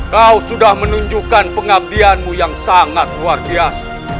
kau sudah menunjukkan pengabdianmu yang sangat luar biasa